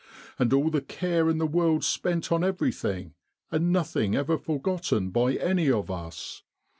And all the care in the world spent on everything, and nothing ever forgotten by any of us.